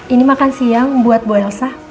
ini makan siang buat bo elsa